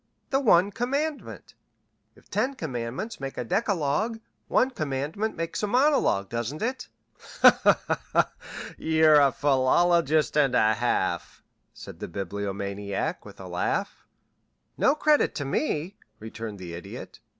"The one commandment. If ten commandments make a decalogue, one commandment makes a monologue, doesn't it?" "You're a philologist and a half," said the Bibliomaniac, with a laugh. "No credit to me," returned the Idiot.